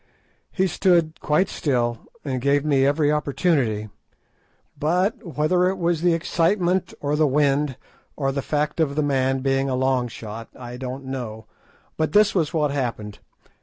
He stood quite still and gave me every opportunity, but whether it was the excitement or the wind, or the fact of the man being a long shot, I don't know, but this was what happened.